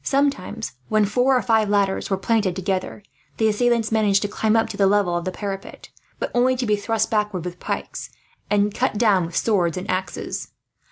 Sometimes, when four or five ladders were planted together, the assailants managed to climb up to the level of the parapet; but only to be thrust backward with pikes, and cut down with swords and axes.